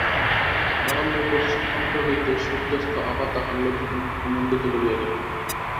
বারান্দায় পশ্চিম-প্রান্ত হইতে সূর্যাস্ত-আভা তাহার লজ্জিত মুখকে মণ্ডিত করিয়া গেল।